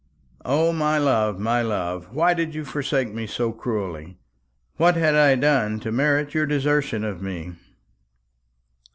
O, my love, my love, why did you forsake me so cruelly? What had I done to merit your desertion of me?"